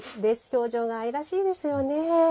表情が愛らしいですよね。